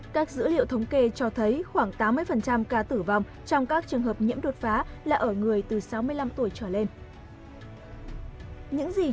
các dữ liệu thống kê cho thấy khoảng tám mươi ca tử vong trong các trường hợp nhiễm đột phá là ở người từ sáu mươi năm tuổi trở lên